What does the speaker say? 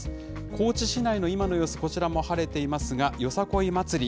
高知市内の今の様子、こちらも晴れていますが、よさこい祭り、